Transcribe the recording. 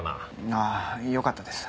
ああよかったです。